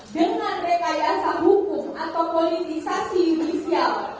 dengan rekayasa hukum atau politisasi judisial